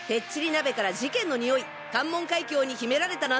鍋から事件のにおい関門海峡に秘められた謎！